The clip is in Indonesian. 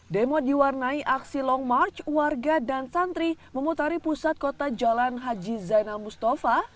demo diwarnai aksi long march warga dan santri memutari pusat kota jalan haji zainal mustafa